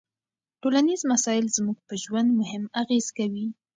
ټولنيز مسایل زموږ په ژوند مستقیم اغېز کوي.